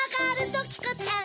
ドキコちゃん？